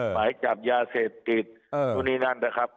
หมายจากยาเศษติดตรงนี้นั่นแหละครับ